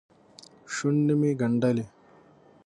شونډې مې ګنډلې.